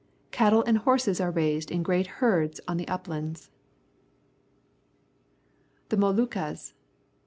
Cattle and horses are raised in great herds on the uplands. The Moluccas.